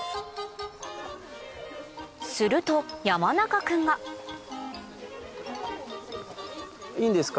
すると山中君がいいんですか？